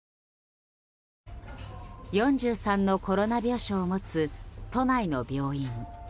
４３のコロナ病床を持つ都内の病院。